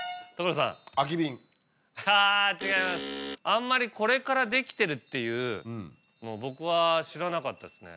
あんまりこれからできてるっていうの僕は知らなかったですね。